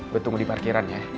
gue tunggu di parkiran ya